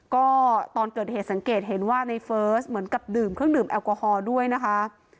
ก็ตอนเกิดเหตุสังเกตเห็นว่าในเฟิร์สเหมือนกับดื่มเครื่องดื่มแอลกอฮอล์ด้วยนะคะ